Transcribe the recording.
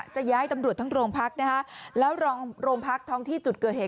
จะย้ายตำรวจทั้งโรงพักนะฮะแล้วรองโรงพักท้องที่จุดเกิดเหตุ